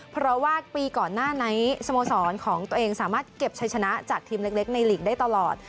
เพราะว่าปีก่อนหน้านี้สโมสรของตัวเองสามารถเก็บชัยชนะจากทีมเล็กในหลีกได้ตลอด